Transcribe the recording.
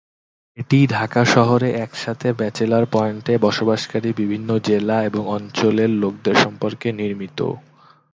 এটি ঢাকা শহরে একসাথে ব্যাচেলর পয়েন্টে বসবাসকারী বিভিন্ন জেলা এবং অঞ্চলের লোকদের সম্পর্কে নির্মিত।